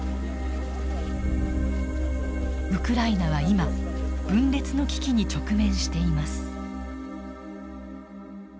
ウクライナは今分裂の危機に直面しています。